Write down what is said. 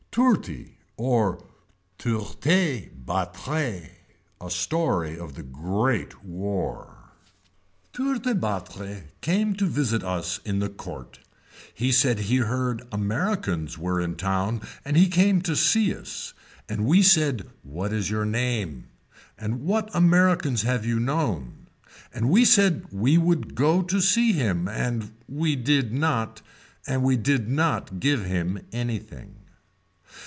TOURTY OR TOURTEBATTRE A STORY OF THE GREAT WAR Tourtebattre came to visit us in the court he said he heard Americans were in town and he came to see us and we said what is your name and what americans have you known and we said we would go to see him and we did not and we did not give him anything.